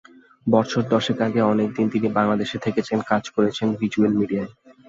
বছর দশেক আগে অনেক দিন তিনি বাংলাদেশে থেকেছেন, কাজ করেছেন ভিজ্যুয়াল মিডিয়ায়।